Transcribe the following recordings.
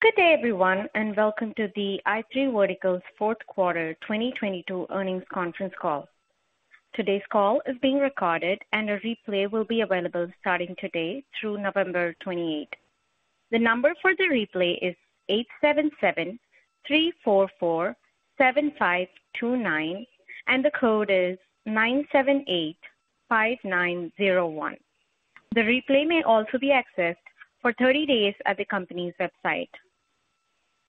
Good day, everyone, welcome to the i3 Verticals fourth quarter 2022 earnings conference call. Today's call is being recorded and a replay will be available starting today through November 28. The number for the replay is 877-344-7529, and the code is 9785901. The replay may also be accessed for 30 days at the company's website.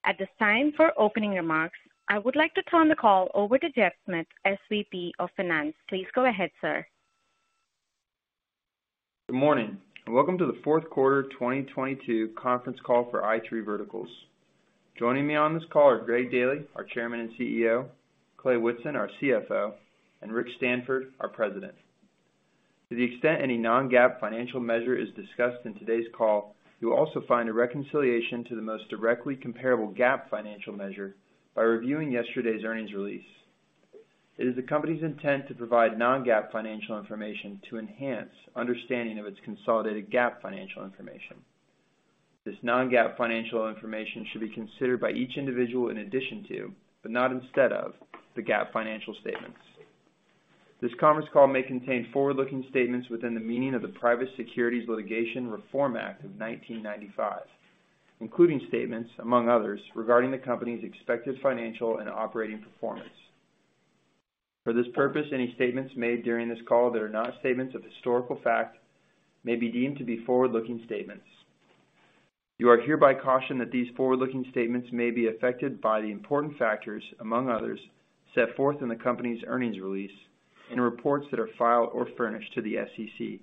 At this time, for opening remarks, I would like to turn the call over to Geoff Smith, SVP of Finance. Please go ahead, sir. Good morning and welcome to the fourth quarter of 2022 conference call for i3 Verticals. Joining me on this call are Greg Daily, our Chairman and CEO, Clay Whitson, our CFO, and Rick Stanford, our President. To the extent any Non-GAAP financial measure is discussed in today's call, you'll also find a reconciliation to the most directly comparable GAAP financial measure by reviewing yesterday's earnings release. It is the company's intent to provide Non-GAAP financial information to enhance understanding of its consolidated GAAP financial information. This Non-GAAP financial information should be considered by each individual in addition to, but not instead of, the GAAP financial statements. This conference call may contain Forward-Looking statements within the meaning of the Private Securities Litigation Reform Act of 1995, including statements, among others, regarding the company's expected financial and operating performance. For this purpose, any statements made during this call that are not statements of historical fact may be deemed to be forward-looking statements. You are hereby cautioned that these Forward-Looking statements may be affected by the important factors, among others, set forth in the Company's earnings release and reports that are filed or furnished to the SEC.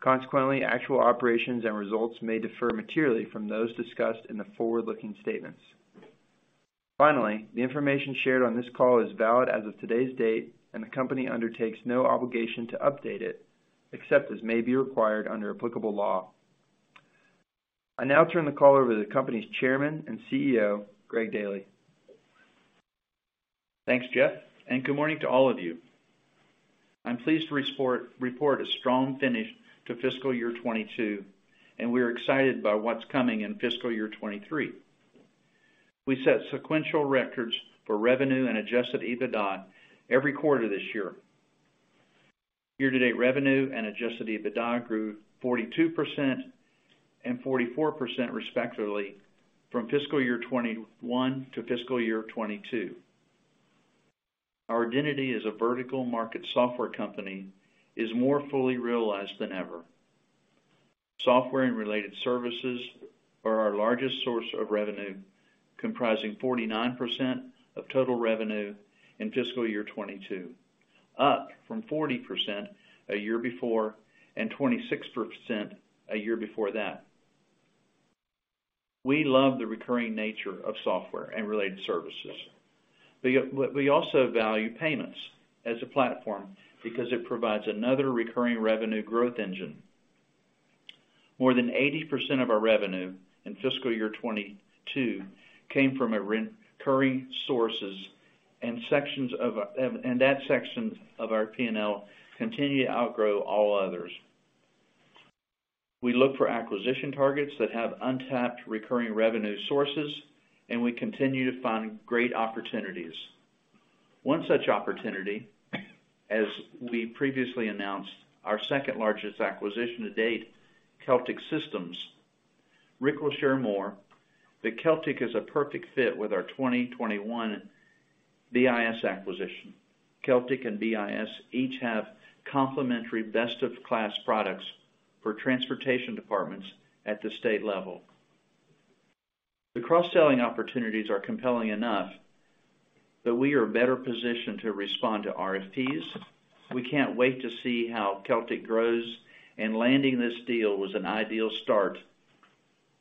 Consequently, actual operations and results may differ materially from those discussed in the forward-looking statements. Finally, the information shared on this call is valid as of today's date, and the Company undertakes no obligation to update it, except as may be required under applicable law. I now turn the call over to the Company's Chairman and CEO, Greg Daily. Thanks, Geoff, and good morning to all of you. I'm pleased to report a strong finish to fiscal year 2022, and we are excited by what's coming in fiscal year 2023. We set sequential records for revenue and adjusted EBITDA every quarter this year. Year-To-Date revenue and adjusted EBITDA grew 42% and 44% respectively from fiscal year 2021 to fiscal year 2022. Our identity as a vertical market software company is more fully realized than ever. Software and related services are our largest source of revenue, comprising 49% of total revenue in fiscal year 2022, up from 40% a year before and 26% a year before that. We love the recurring nature of software and related services. We also value payments as a platform because it provides another recurring revenue growth engine. More than 80% of our revenue in fiscal year 2022 came from recurring sources, and that section of our P&L continue to outgrow all others. We look for acquisition targets that have untapped recurring revenue sources, and we continue to find great opportunities. One such opportunity, as we previously announced, our second-largest acquisition to date, Celtic Systems. Rick will share more, but Celtic is a perfect fit with our 2021 BIS acquisition. Celtic and BIS each have complementary Best-Of-Class products for transportation departments at the state level. The Cross-Selling opportunities are compelling enough that we are better positioned to respond to RFPs. We can't wait to see how Celtic grows, and landing this deal was an ideal start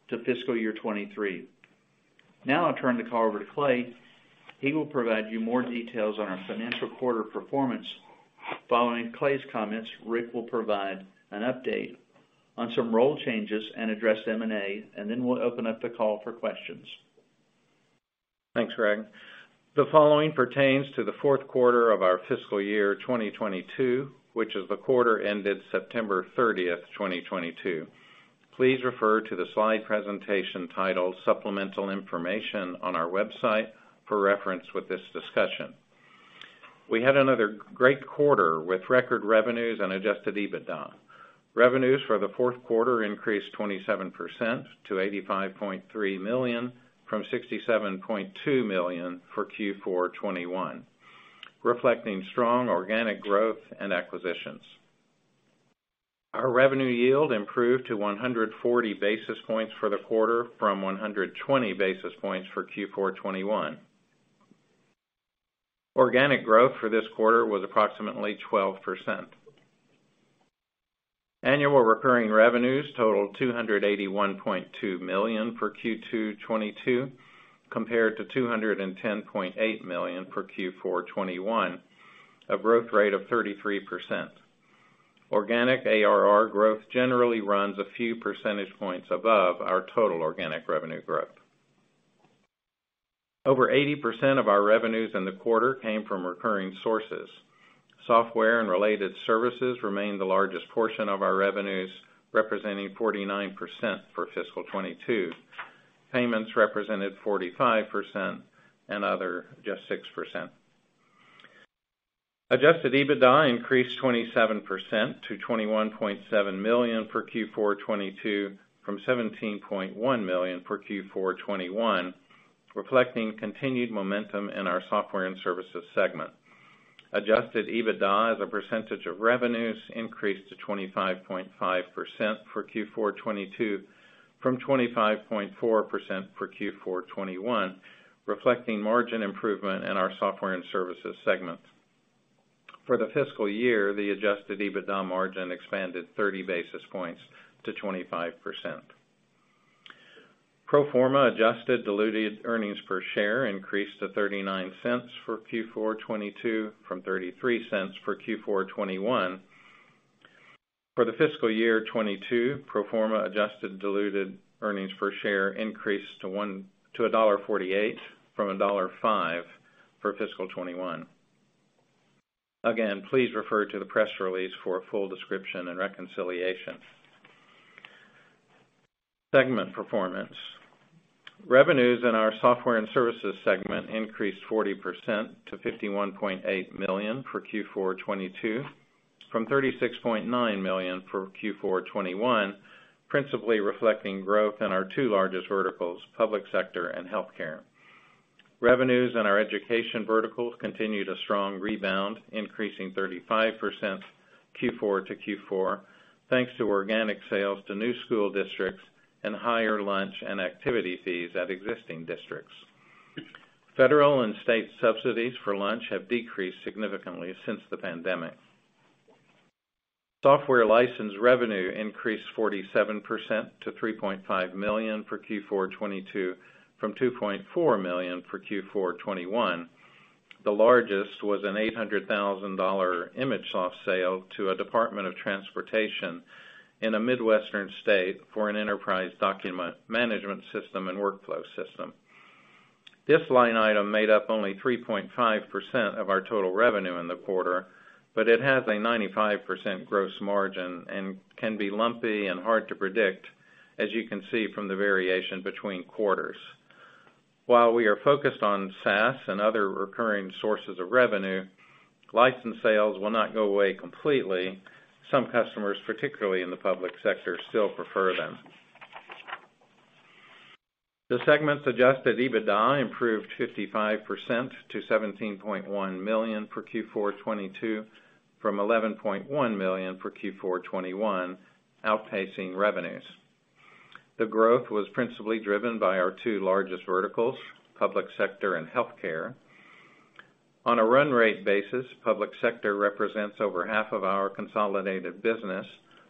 to fiscal year 2023. Now I'll turn the call over to Clay. He will provide you more details on our financial quarter performance. Following Clay's comments, Rick will provide an update on some role changes and address M&A, and then we'll open up the call for questions. Thanks, Greg. The following pertains to the fourth quarter of our fiscal year 2022, which is the quarter ended September 30th, 2022. Please refer to the slide presentation titled Supplemental Information on our website for reference with this discussion. We had another great quarter with record revenues and adjusted EBITDA. Revenues for the fourth quarter increased 27% to $85.3 million, from $67.2 million for Q4 2021, reflecting strong organic growth and acquisitions. Our revenue yield improved to 140 basis points for the quarter from 120 basis points for Q4 2021. Organic growth for this quarter was approximately 12%. Annual recurring revenues totaled $281.2 million for Q4 2022, compared to $210.8 million for Q4 2021, a growth rate of 33%. Organic ARR growth generally runs a few percentage points above our total organic revenue growth. Over 80% of our revenues in the quarter came from recurring sources. Software and related services remained the largest portion of our revenues, representing 49% for fiscal 2022. Payments represented 45% and other just 6%. Adjusted EBITDA increased 27% to $21.7 million for Q4 2022 from $17.1 million for Q4 2021, reflecting continued momentum in our software and services segment. Adjusted EBITDA as a percentage of revenues increased to 25.5% for Q4 2022 from 25.4% for Q4 2021, reflecting margin improvement in our software and services segment. For the fiscal year, the adjusted EBITDA margin expanded 30 basis points to 25%. Pro forma adjusted diluted earnings per share increased to $0.39 for Q4 2022 from $0.33 for Q4 2021. For the fiscal year 2022, pro forma adjusted diluted earnings per share increased to $1.48 from $1.05 for fiscal 2021. Again, please refer to the press release for a full description and reconciliation. Segment performance. Revenues in our software and services segment increased 40% to $51.8 million for Q4 2022 from $36.9 million for Q4 2021, principally reflecting growth in our 2 largest verticals, public sector and healthcare. Revenues in our education vertical continued a strong rebound, increasing 35% Q4 to Q4, thanks to organic sales to new school districts and higher lunch and activity fees at existing districts. Federal and state subsidies for lunch have decreased significantly since the pandemic. Software license revenue increased 47% to $3.5 million for Q4 2022 from $2.4 million for Q4 2021. The largest was an $800,000 ImageSoft sale to a Department of Transportation in a Midwestern state for an enterprise document management system and workflow system. This line item made up only 3.5% of our total revenue in the quarter, but it has a 95% gross margin and can be lumpy and hard to predict, as you can see from the variation between quarters. While we are focused on SaaS and other recurring sources of revenue, license sales will not go away completely. Some customers, particularly in the public sector, still prefer them. The segment's adjusted EBITDA improved 55% to $17.1 million for Q4 2022 from $11.1 million for Q4 2021, outpacing revenues. The growth was principally driven by our 2 largest verticals, public sector and healthcare. On a run rate basis, public sector represents over 1/2 of our consolidated business,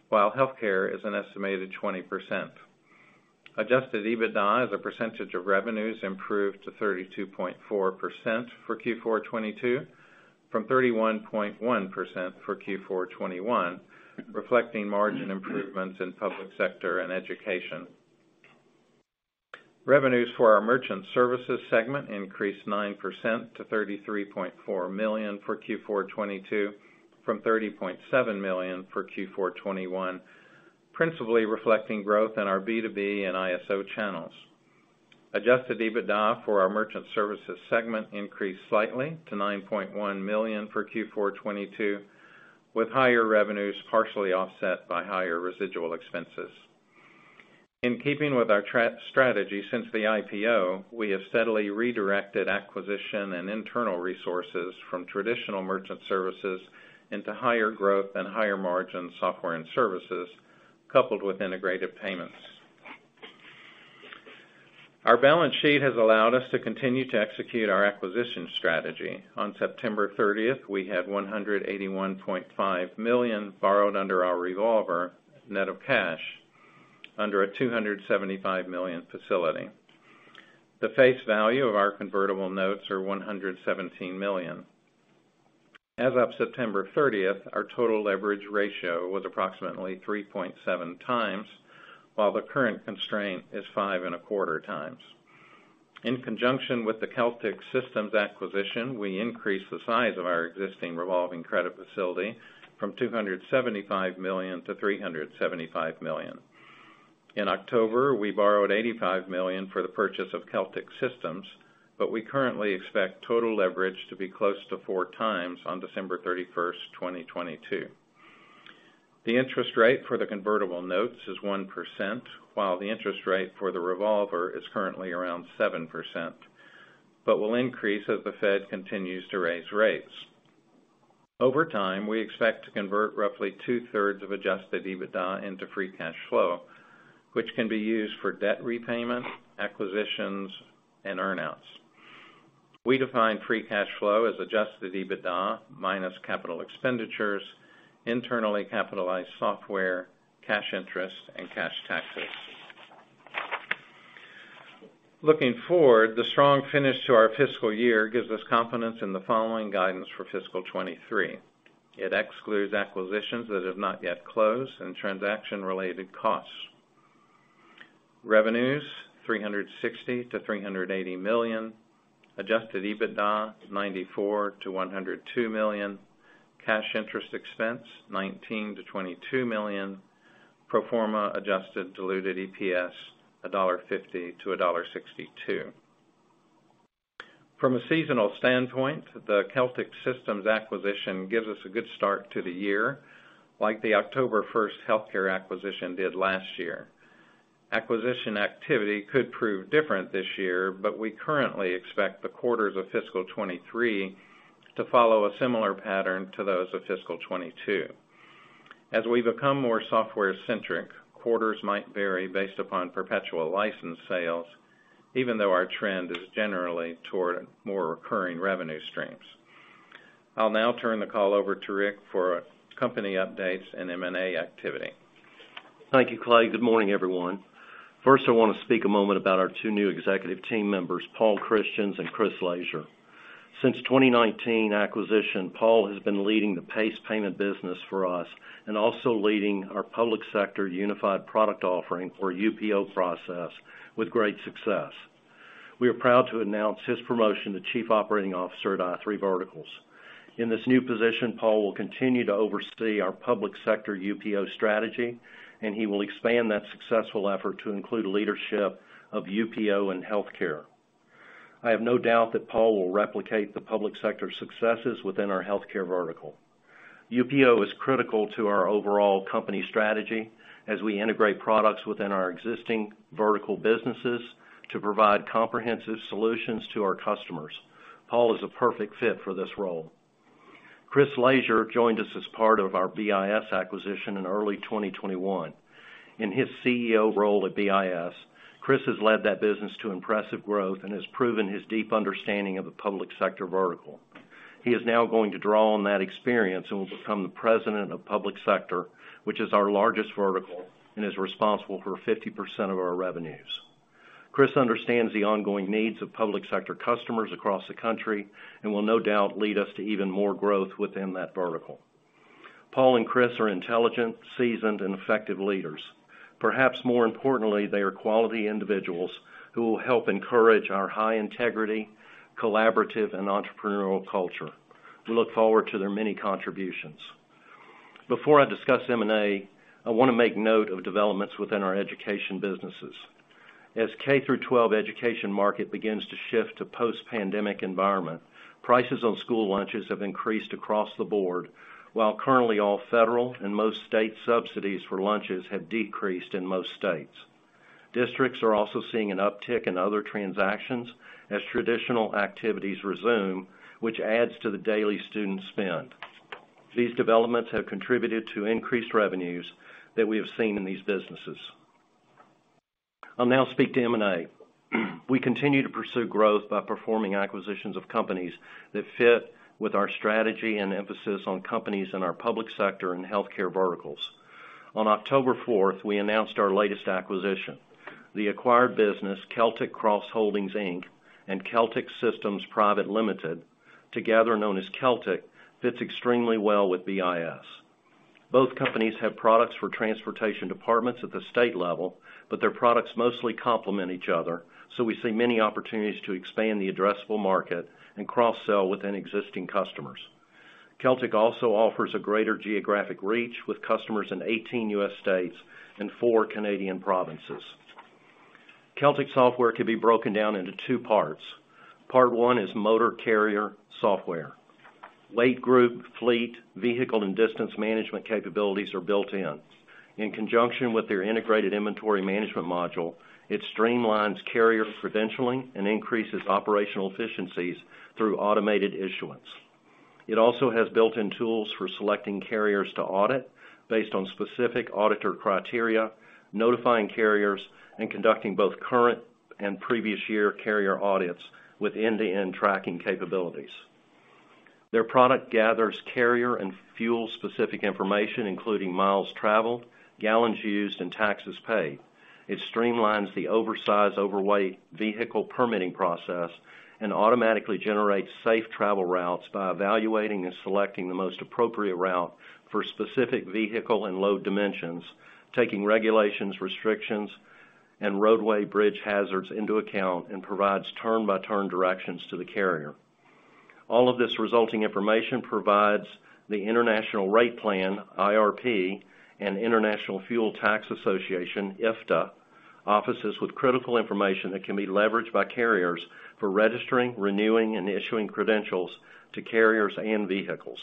while healthcare is an estimated 20%. Adjusted EBITDA as a percentage of revenues improved to 32.4% for Q4 2022 from 31.1% for Q4 2021, reflecting margin improvements in public sector and education. Revenues for our merchant services segment increased 9% to $33.4 million for Q4 2022 from $30.7 million for Q4 2021, principally reflecting growth in our B2B and ISO channels. Adjusted EBITDA for our merchant services segment increased slightly to $9.1 million for Q4 2022, with higher revenues partially offset by higher residual expenses. In keeping with our strategy since the IPO, we have steadily redirected acquisition and internal resources from traditional merchant services into higher growth and higher margin software and services, coupled with integrated payments. Our balance sheet has allowed us to continue to execute our acquisition strategy. On September 30th, we had $181.5 million borrowed under our revolver, net of cash, under a $275 million facility. The face value of our convertible notes are $117 million. As of September 30th, our total leverage ratio was approximately 3.7x, while the current constraint is 5.25x. In conjunction with the Celtic Systems acquisition, we increased the size of our existing revolving credit facility from $275 million-$375 million. In October, we borrowed $85 million for the purchase of Celtic Systems, but we currently expect total leverage to be close to 4x on December 31st, 2022. The interest rate for the convertible notes is 1%, while the interest rate for the revolver is currently around 7%, but will increase as the Fed continues to raise rates. Over time, we expect to convert roughly 2/3 of adjusted EBITDA into free cash flow, which can be used for debt repayment, acquisitions, and earnouts. We define free cash flow as adjusted EBITDA minus capital expenditures, internally capitalized software, cash interest, and cash taxes. Looking forward, the strong finish to our fiscal year gives us confidence in the following guidance for fiscal 2023. It excludes acquisitions that have not yet closed and transaction-related costs. Revenues $360 million-$380 million. Adjusted EBITDA, $94 million-$102 million. Cash interest expense, $19 million-$22 million. Pro forma adjusted diluted EPS, $1.50-$1.62. From a seasonal standpoint, the Celtic Systems acquisition gives us a good start to the year, like the October first healthcare acquisition did last year. Acquisition activity could prove different this year, but we currently expect the quarters of fiscal 2023 to follow a similar pattern to those of fiscal 2022. As we become more software-centric, quarters might vary based upon perpetual license sales, even though our trend is generally toward more recurring revenue streams. I'll now turn the call over to Rick for company updates and M&A activity. Thank you, Clay. Good morning, everyone. First, I wanna speak a moment about our 2 new executive team members, Paul Christians and Chris Laisure. Since 2019 acquisition, Paul has been leading the Pace Payment business for us and also leading our public sector unified product offering or UPO process with great success. We are proud to announce his promotion to Chief Operating Officer at i3 Verticals. In this new position, Paul will continue to oversee our public sector UPO strategy, and he will expand that successful effort to include leadership of UPO and healthcare. I have no doubt that Paul will replicate the public sector successes within our healthcare vertical. UPO is critical to our overall company strategy as we integrate products within our existing vertical businesses to provide comprehensive solutions to our customers. Paul is a perfect fit for this role. Chris Laisure joined us as part of our BIS acquisition in early 2021. In his CEO role at BIS, Chris has led that business to impressive growth and has proven his deep understanding of the public sector vertical. He is now going to draw on that experience and will become the President of Public Sector, which is our largest vertical and is responsible for 50% of our revenues. Chris understands the ongoing needs of public sector customers across the country and will no doubt lead us to even more growth within that vertical. Paul and Chris are intelligent, seasoned, and effective leaders. Perhaps more importantly, they are quality individuals who will help encourage our high integrity, collaborative, and entrepreneurial culture. We look forward to their many contributions. Before I discuss M&A, I wanna make note of developments within our education businesses. As K-12 education market begins to shift to Post-Pandemic environment, prices on school lunches have increased across the board, while currently all federal and most state subsidies for lunches have decreased in most states. Districts are also seeing an uptick in other transactions as traditional activities resume, which adds to the daily student spend. These developments have contributed to increased revenues that we have seen in these businesses. I'll now speak to M&A. We continue to pursue growth by performing acquisitions of companies that fit with our strategy and emphasis on companies in our public sector and healthcare verticals. On October 4th, we announced our latest acquisition, the acquired business, Celtic Cross Holdings, Inc. and Celtic Systems Private Limited, together known as Celtic, fits extremely well with BIS. Both companies have products for transportation departments at the state level, but their products mostly complement each other, so we see many opportunities to expand the addressable market and cross-sell within existing customers. Celtic also offers a greater geographic reach with customers in 18 U.S. states and four Canadian provinces. Celtic software could be broken down into 2 parts. Part one is motor carrier software. Rate group, fleet, vehicle, and distance management capabilities are built in. In conjunction with their integrated inventory management module, it streamlines carrier credentialing and increases operational efficiencies through automated issuance. It also has Built-In tools for selecting carriers to audit based on specific auditor criteria, notifying carriers, and conducting both current and previous year carrier audits with End-To-End tracking capabilities. Their product gathers carrier and fuel-specific information, including miles traveled, gallons used, and taxes paid. It streamlines the oversize, overweight vehicle permitting process and automatically generates safe travel routes by evaluating and selecting the most appropriate route for specific vehicle and load dimensions, taking regulations, restrictions, and roadway bridge hazards into account, and provides Turn-By-Turn directions to the carrier. All of this resulting information provides the International Registration Plan, IRP, and International Fuel Tax Agreement, IFTA, offices with critical information that can be leveraged by carriers for registering, renewing, and issuing credentials to carriers and vehicles.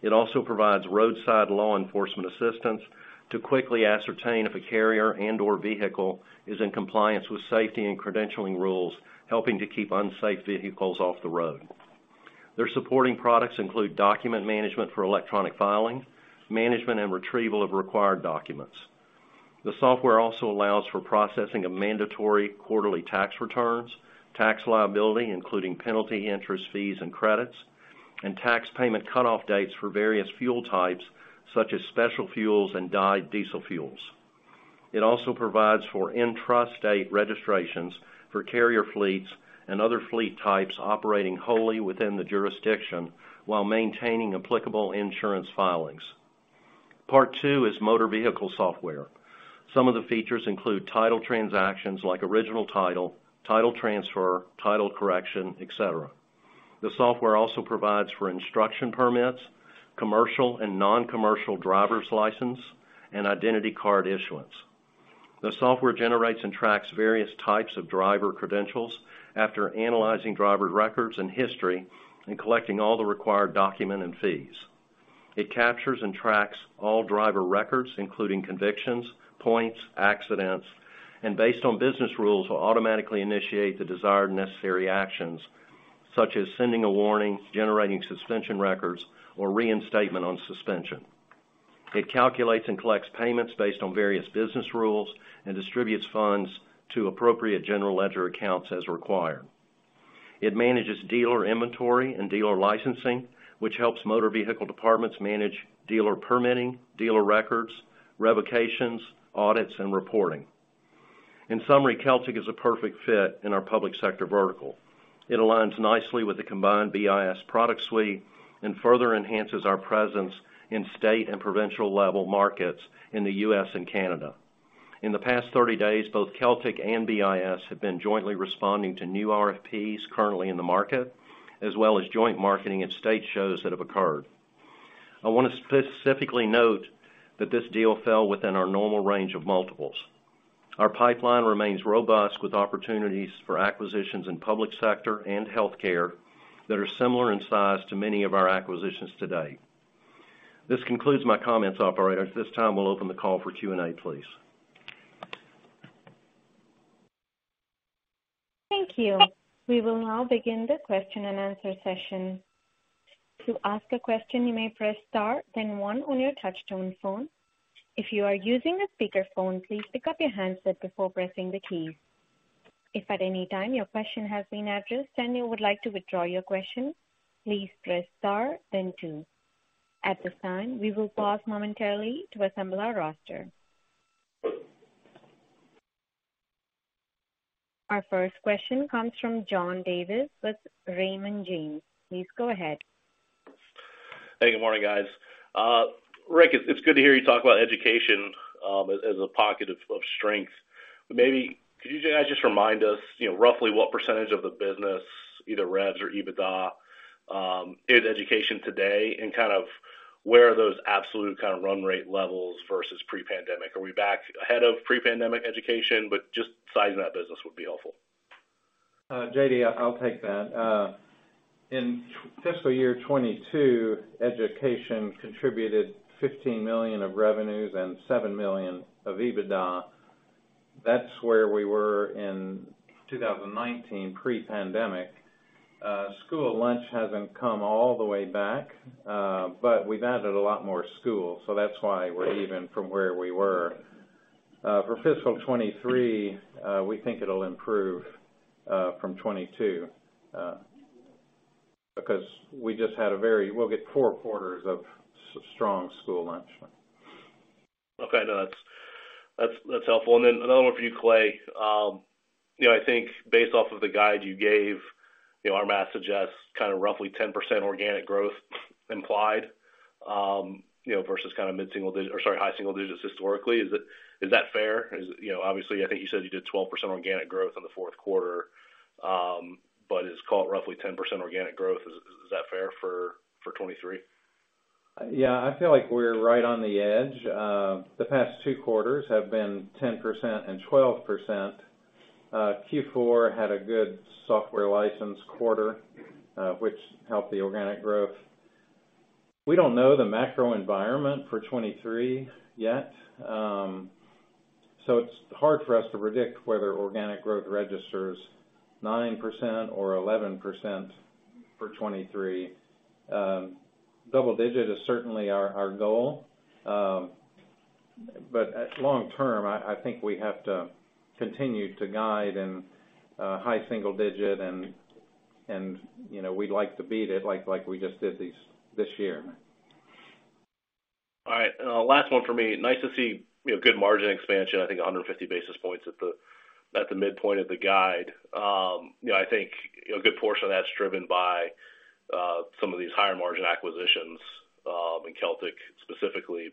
It also provides roadside law enforcement assistance to quickly ascertain if a carrier and/or vehicle is in compliance with safety and credentialing rules, helping to keep unsafe vehicles off the road. Their supporting products include document management for electronic filing, management and retrieval of required documents. The software also allows for processing of mandatory quarterly tax returns, tax liability, including penalty interest fees and credits, and tax payment cutoff dates for various fuel types, such as special fuels and dyed diesel fuels. It also provides for intrastate registrations for carrier fleets and other fleet types operating wholly within the jurisdiction while maintaining applicable insurance filings. Part 2 is motor vehicle software. Some of the features include title transactions like original title transfer, title correction, et cetera. The software also provides for instruction permits, commercial and non-commercial driver's license, and identity card issuance. The software generates and tracks various types of driver credentials after analyzing driver records and history and collecting all the required document and fees. It captures and tracks all driver records, including convictions, points, accidents, and based on business rules, will automatically initiate the desired necessary actions, such as sending a warning, generating suspension records, or reinstatement on suspension. It calculates and collects payments based on various business rules and distributes funds to appropriate general ledger accounts as required. It manages dealer inventory and dealer licensing, which helps motor vehicle departments manage dealer permitting, dealer records, revocations, audits, and reporting. In summary, Celtic Systems is a perfect fit in our public sector vertical. It aligns nicely with the combined BIS product suite and further enhances our presence in state and provincial-level markets in the U.S. and Canada. In the past 30 days, both Celtic and BIS have been jointly responding to new RFPs currently in the market, as well as joint marketing at state shows that have occurred. I wanna specifically note that this deal fell within our normal range of multiples. Our pipeline remains robust with opportunities for acquisitions in public sector and healthcare that are similar in size to many of our acquisitions to date. This concludes my comments, operator. At this time, we'll open the call for Q&A, please. Thank you. We will now begin the question-and-answer session. To ask a question, you may press star then one on your Touch-Tone phone. If you are using a speakerphone, please pick up your handset before pressing the keys. If at any time your question has been addressed, and you would like to withdraw your question, please press star then 2. At this time, we will pause momentarily to assemble our roster. Our first question comes from John Davis with Raymond James. Please go ahead. Hey, good morning, guys. Rick, it's good to hear you talk about education as a pocket of strength. Maybe could you guys just remind us, you know, roughly what % of the business, either revs or EBITDA, is education today, and kind of where are those absolute kind of run rate levels versus pre-pandemic? Are we back ahead of Pre-Pandemic education? Just sizing that business would be helpful. J.D., I'll take that. In fiscal year 2022, education contributed $15 million of revenues and $7 million of EBITDA. That's where we were in 2019, Pre-Pandemic. School lunch hasn't come all the way back, but we've added a lot more schools, so that's why we're even from where we were. For fiscal 2023, we think it'll improve from 2022, because we'll get four quarters of strong school lunch. Okay. No, that's helpful. Another one for you, Clay. You know, I think based off of the guide you gave, you know, our math suggests kinda roughly 10% organic growth implied, you know, versus kinda high single digits historically. Is that fair? You know, obviously, I think you said you did 12% organic growth in the fourth quarter. It's caught roughly 10% organic growth. Is that fair for 2023? Yeah. I feel like we're right on the edge. The past 2 quarters have been 10% and 12%. Q4 had a good software license quarter, which helped the organic growth. We don't know the macro environment for 2023 yet, so it's hard for us to predict whether organic growth registers 9% or 11% for 2023. Double digit is certainly our goal. At long term, I think we have to continue to guide in high single digit and, you know, we'd like to beat it like we just did this year. All right. Last one from me. Nice to see, you know, good margin expansion, I think 150 basis points at the midpoint of the guide. You know, I think a good portion of that's driven by some of these higher margin acquisitions, in Celtic specifically.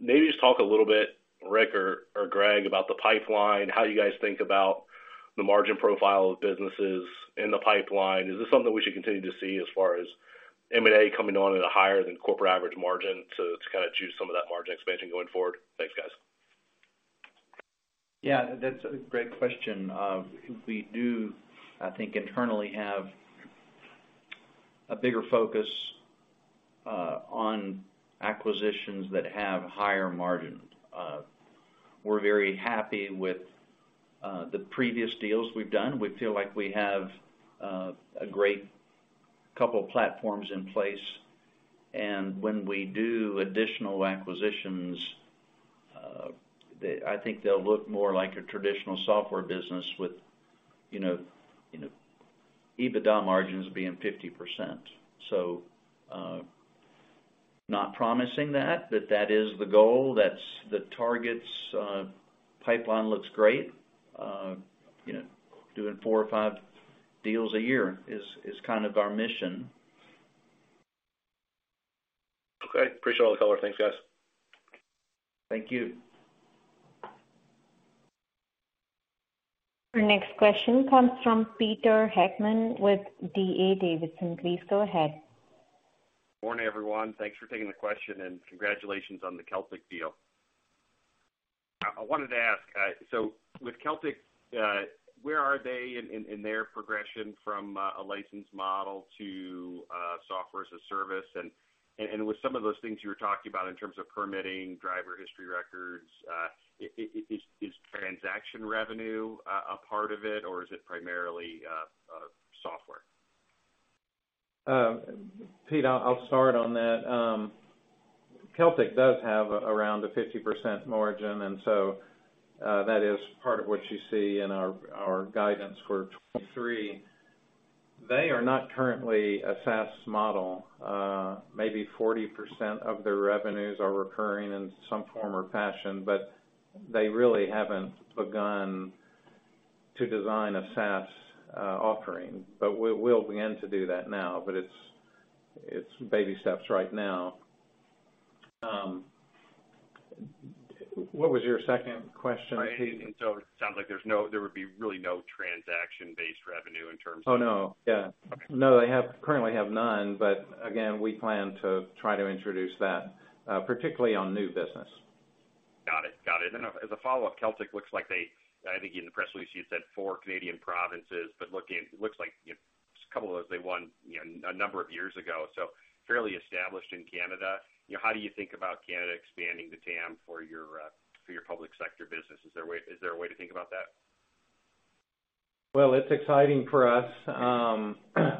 Maybe just talk a little bit, Rick or Greg, about the pipeline, how you guys think about the margin profile of businesses in the pipeline. Is this something we should continue to see as far as M&A coming on at a higher than corporate average margin to kinda juice some of that margin expansion going forward? Thanks, guys. Yeah, that's a great question. We do, I think, internally have a bigger focus on acquisitions that have higher margin. We're very happy with the previous deals we've done. We feel like we have a great couple platforms in place. When we do additional acquisitions, I think they'll look more like a traditional software business with, you know, EBITDA margins being 50%. Not promising that, but that is the goal. That's the targets. Pipeline looks great. You know, doing four or 5 deals a year is kind of our mission. Okay. Appreciate all the color. Thanks, guys. Thank you. Our next question comes from Peter Heckman with D.A. Davidson. Please go ahead. Morning, everyone. Thanks for taking the question and congratulations on the Celtic deal. I wanted to ask, with Celtic, where are they in their progression from a license model to software as a service? With some of those things you were talking about in terms of permitting, driver history records, is transaction revenue a part of it or is it primarily software? Pete, I'll start on that. Celtic does have around a 50% margin. That is part of what you see in our guidance for 2023. They are not currently a SaaS model. Maybe 40% of their revenues are recurring in some form or fashion, but they really haven't begun to design a SaaS offering. We'll begin to do that now. It's baby steps right now. What was your second question, Pete? There would be really no transaction-based revenue. Oh, no. Yeah. Okay. No, they currently have none. Again, we plan to try to introduce that, particularly on new business. Got it. As a Follow-Up, I think in the press release you said four Canadian provinces. It looks like, you know, a couple of those they won, you know, a number of years ago, so fairly established in Canada. You know, how do you think about Canada expanding the TAM for your Public Sector business? Is there a way to think about that? Well, it's exciting for us.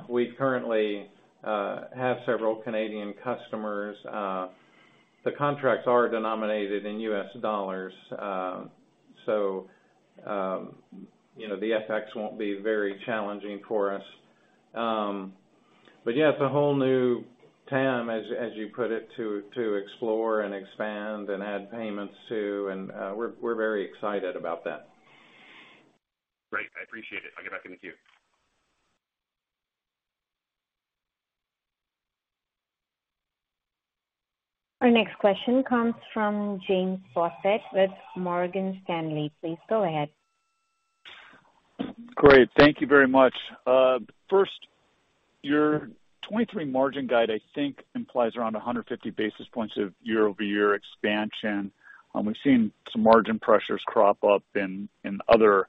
We currently have several Canadian customers. The contracts are denominated in U.S. dollars. You know, the F.X. won't be very challenging for us. Yeah, it's a whole new TAM, as you put it, to explore and expand and add payments to. We're very excited about that. Great. I appreciate it. I'll get back in the queue. Our next question comes from James Faucette with Morgan Stanley. Please go ahead. Great. Thank you very much. First, your 2023 margin guide, I think implies around 150 basis points of year-over-year expansion. We've seen some margin pressures crop up in other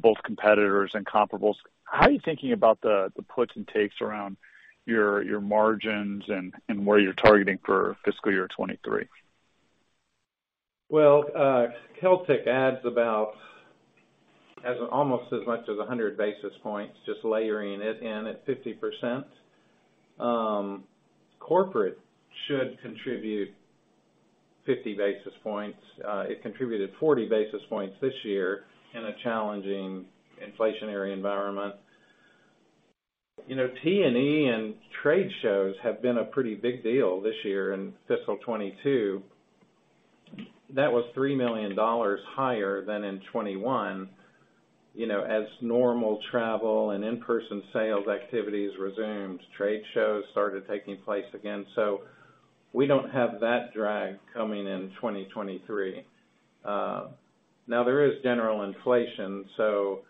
both competitors and comparables. How are you thinking about the puts and takes around your margins and where you're targeting for fiscal year 2023? Well, Celtic adds about almost as much as 100 basis points, just layering it in at 50%. Corporate should contribute 50 basis points. It contributed 40 basis points this year in a challenging inflationary environment. You know, T&E and trade shows have been a pretty big deal this year in fiscal 2022. That was $3 million higher than in 2021. You know, as normal travel and In-Person sales activities resumed, trade shows started taking place again. We don't have that drag coming in 2023. Now there is general inflation, so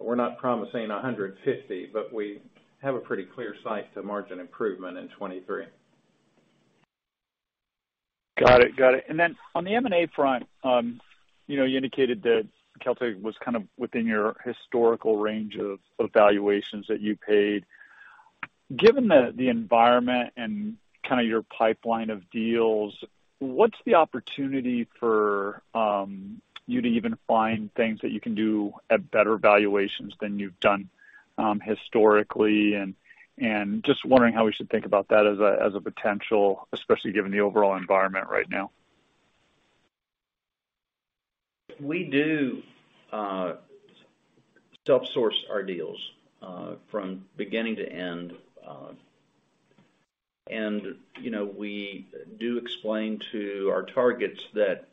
we're not promising 150, but we have a pretty clear sight to margin improvement in 2023. Got it. Got it. And then on the M&A front, um, you know, you indicated that Celtic was kind of within your historical range of valuations that you paid. Given the environment and kinda your pipeline of deals, what's the opportunity for, um, you to even find things that you can do at better valuations than you've done, um, historically? And, and just wondering how we should think about that as a, as a potential, especially given the overall environment right now. We do self-source our deals from beginning to end. You know, we do explain to our targets that,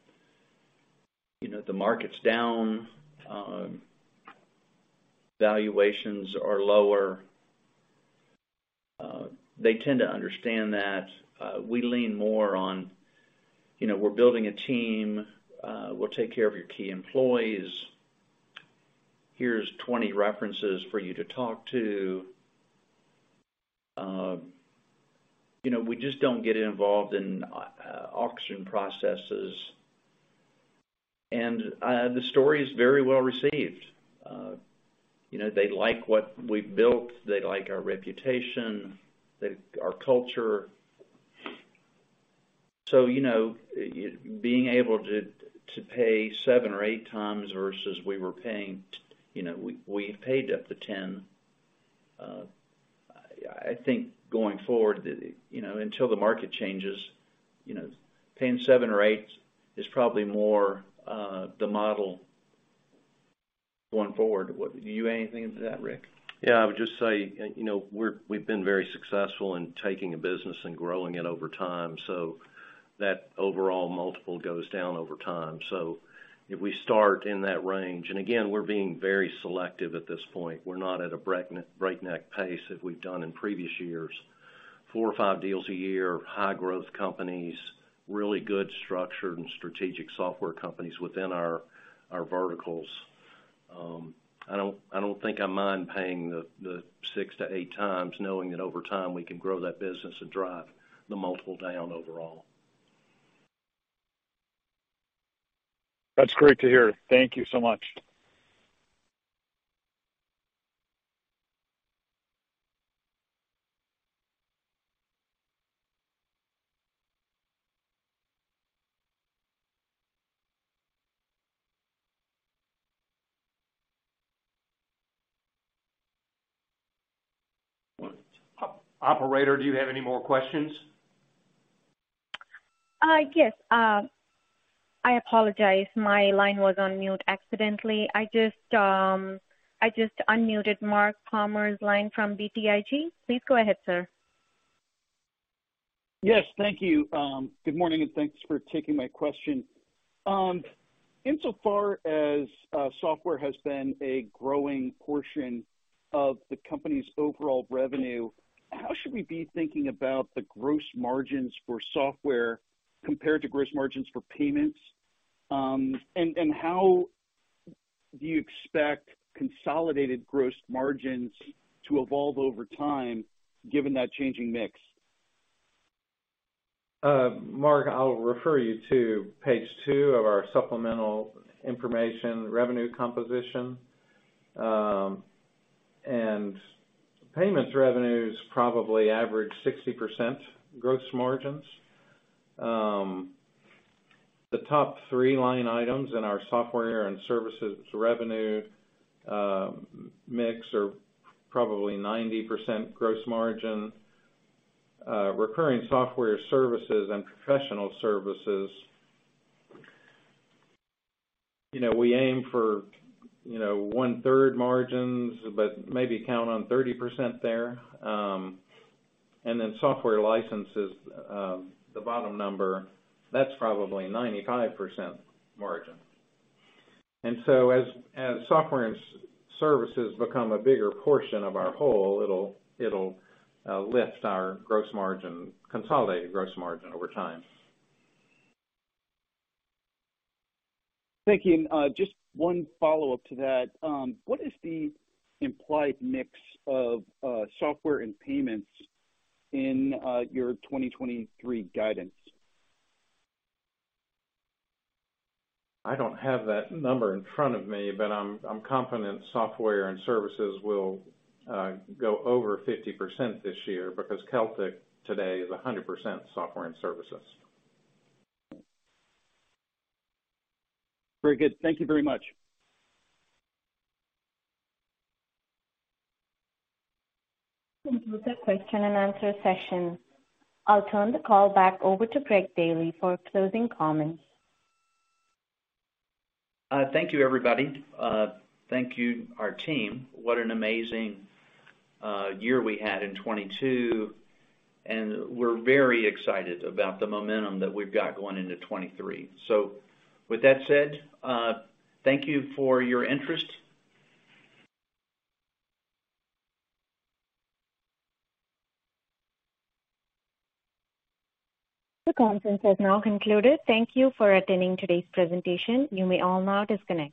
you know, the market's down, valuations are lower. They tend to understand that we lean more on, you know, we're building a team, we'll take care of your key employees. Here's 20 references for you to talk to. You know, we just don't get involved in auction processes. The story is very well received. You know, they like what we've built, they like our reputation, our culture. You know, being able to pay 7x or 8x versus we were paying, you know, we've paid up to 10x. I think going forward, you know, until the market changes, you know, paying 7x or 8x is probably more the model. Going forward, do you add anything into that, Rick? Yeah, I would just say, you know, we've been very successful in taking a business and growing it over time, so that overall multiple goes down over time. If we start in that range, and again, we're being very selective at this point. We're not at a breakneck pace that we've done in previous years, four or 5 deals a year, high growth companies, really good structured and strategic software companies within our verticals. I don't think I mind paying the 6x-8x, knowing that over time we can grow that business and drive the multiple down overall. That's great to hear. Thank you so much. Operator, do you have any more questions? Yes. I apologize. My line was on mute accidentally. I just unmuted Mark Palmer's line from BTIG. Please go ahead, sir. Yes, thank you. Good morning, and thanks for taking my question. Insofar as software has been a growing portion of the company's overall revenue, how should we be thinking about the gross margins for software compared to gross margins for payments? How do you expect consolidated gross margins to evolve over time given that changing mix? Mark, I'll refer you to page 2 of our supplemental information revenue composition. Payments revenues probably average 60% gross margins. The top 3 line items in our software and services revenue mix are probably 90% gross margin. Recurring software services and professional services, you know, we aim for, you know, 1/3 margins, but maybe count on 30% there. Software licenses, the bottom number, that's probably 95% margin. As software and services become a bigger portion of our whole, it'll lift our gross margin, consolidated gross margin over time. Thank you. Just one follow-up to that. What is the implied mix of software and payments in your 2023 guidance? I don't have that number in front of me, but I'm confident software and services will go over 50% this year because Celtic today is 100% software and services. Very good. Thank you very much. That concludes our question and answer session. I'll turn the call back over to Greg Daily for closing comments. Thank you, everybody. Thank you, our team. What an amazing year we had in 2022, and we're very excited about the momentum that we've got going into 2023. With that said, thank you for your interest. The conference has now concluded. Thank you for attending today's presentation. You may all now disconnect.